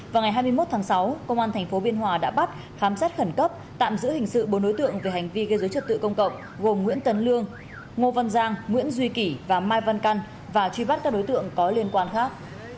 vào ngày hai mươi một tháng sáu công an tp biên hòa đã bắt khám xét khẩn cấp tạm giữ hình sự bốn đối tượng về hành vi gây dối trật tự công cộng gồm nguyễn tấn lương ngô văn giang nguyễn duy kỳ và mai văn căn và truy bắt các đối tượng có liên quan khác